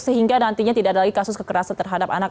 sehingga nantinya tidak ada lagi kasus kekerasan terhadap anak